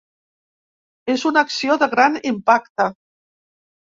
És una acció de gran impacte.